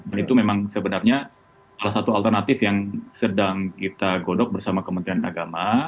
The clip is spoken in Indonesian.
dan itu memang sebenarnya salah satu alternatif yang sedang kita godok bersama kementerian agama